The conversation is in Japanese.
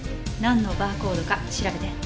なんのバーコードか調べて。